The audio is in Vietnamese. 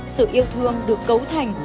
sự yêu thương được cấu thành